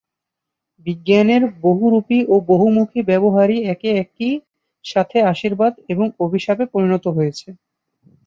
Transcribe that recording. বিজ্ঞানের বহুরূপী ও বহুমূখী ব্যবহারই একে একই সাথে আশীর্বাদ এবং অভিশাপে পরিণত করেছে।